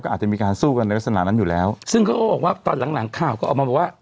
อาจจะมีการสู้กันในลักษณะนั้นอยู่แล้วซึ่งเขาก็บอกว่าตอนหลังหลังข่าวก็ออกมาบอกว่า